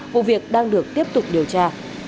vụ việc đang được tiếp tục điều tra